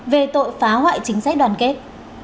về tội phá hoại chính sách đoàn kết